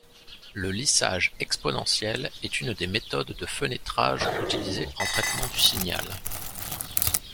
Le lissage exponentiel est une des méthodes de fenêtrage utilisées en traitement du signal.